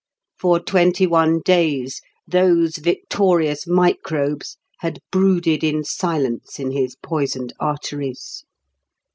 For twenty one days those victorious microbes had brooded in silence in his poisoned arteries.